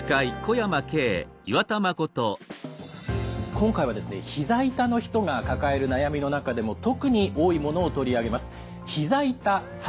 今回はですねひざ痛の人が抱える悩みの中でも特に多いものを取り上げます。